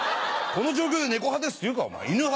この状況で「猫派です」って言うか？